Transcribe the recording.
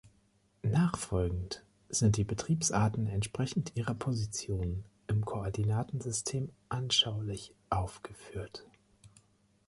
Nachfolgend sind die Betriebsarten entsprechend ihrer Position im Koordinatensystem anschaulich aufgeführt.